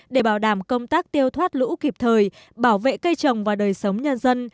để bảo đảm công tác tiêu thoát lũ kịp thời bảo vệ cây trồng và đời sống nhân dân